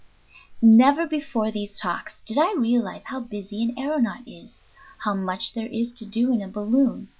] Never before these talks did I realize how busy an aëronaut is, how much there is to do in a balloon.